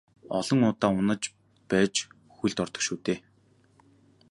Олон удаа унаж байж хөлд ордог шүү дээ.